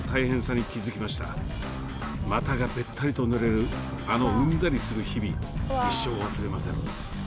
股がべったりとぬれるあのうんざりする日々一生忘れません。